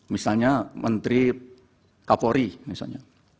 misalnya menteri kapolri misalnya